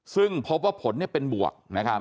ซึ่งพบว่าผลเป็นบวก